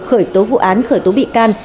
khởi tố vụ án khởi tố bịa can